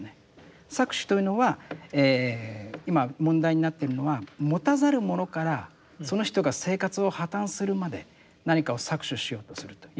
搾取というのは今問題になってるのは持たざる者からその人が生活を破綻するまで何かを搾取しようとするということですよね。